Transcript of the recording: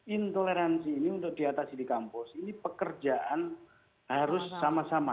intoleransi ini untuk diatasi di kampus ini pekerjaan harus sama sama